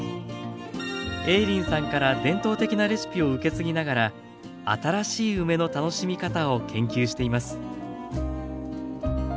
映林さんから伝統的なレシピを受け継ぎながら新しい梅の楽しみ方を研究しています。